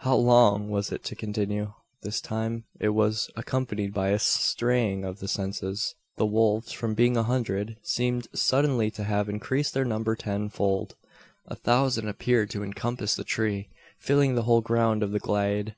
How long was it to continue? This time it was accompanied by a straying of the senses. The wolves, from being a hundred, seemed suddenly to have increased their number tenfold. A thousand appeared to encompass the tree, filling the whole ground of the glade!